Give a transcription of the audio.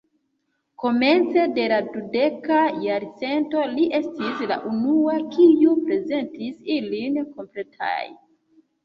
Komence de la dudeka jarcento li estis la unua, kiu prezentis ilin kompletaj.